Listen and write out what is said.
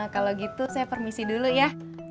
kalau gitu saya permisi dulu ya